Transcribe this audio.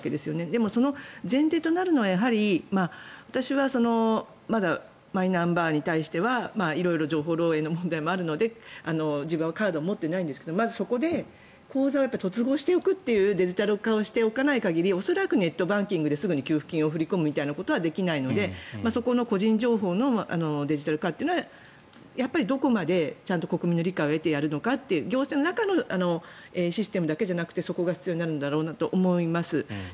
でも、その前提となるのはまだマイナンバーに対しては情報漏えいの問題もあるので自分はカードを持っていないのですがそこで口座を突合するというデジタル化をしておかない限り恐らくネットバンキングですぐに給付金を振り込むということはできないのでそこの個人情報のデジタル化というのはどこまで国民の理解を得てやるのかという行政の中のシステムだけじゃなくてそこが必要になるんだと思います。